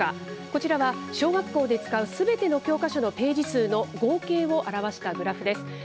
こちらは、小学校で使うすべての教科書のページ数の合計を表したグラフです。